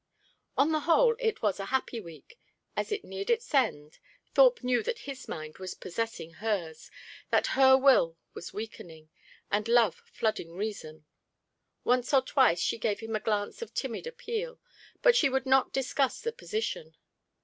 On the whole, it was a happy week. As it neared its end, Thorpe knew that his mind was possessing hers, that her will was weakening, and love flooding reason. Once or twice she gave him a glance of timid appeal; but she would not discuss the position.